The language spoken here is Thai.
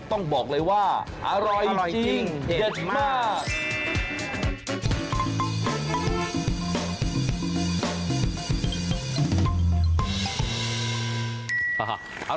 ต้องบอกเลยว่าอร่อยจริงเด็ดมาก